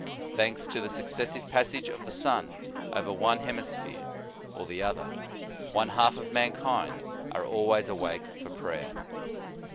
Thanks to the successive passage of the sun over one hemisphere or the other, one half of mankind are always awake for prayer.